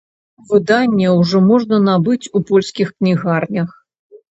Выданне ўжо можна набыць у польскіх кнігарнях.